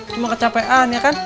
cuma kecapean ya kan